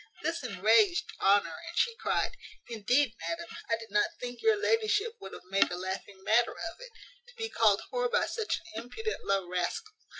This enraged Honour, and she cried, "Indeed, madam, I did not think your ladyship would have made a laughing matter of it. To be called whore by such an impudent low rascal.